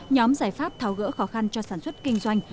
nhóm giải pháp tháo gỡ khó khăn cho sản xuất kinh doanh